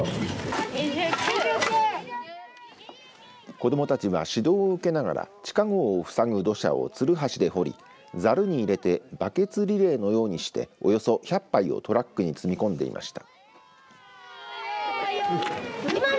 子どもたちは、指導を受けながら地下ごうをふさぐ土砂をツルハシで掘りざるに入れてバケツリレーのようにしておよそ１００杯をトラックに積み込んでいました。